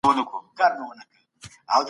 لویه جرګه څنګه د سولي پروسې سره مرسته کوي؟